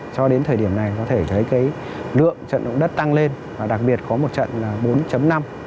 cho đến thời điểm này có thể thấy cái lượng trận động đất tăng lên và đặc biệt có một trận là bốn năm